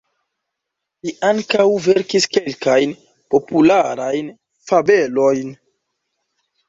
Li ankaŭ verkis kelkajn popularajn fabelojn.